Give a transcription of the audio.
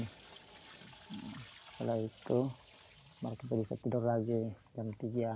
setelah itu mereka bisa tidur lagi jam tiga